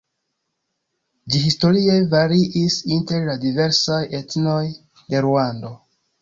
Ĝi historie variis inter la diversaj etnoj de Ruando.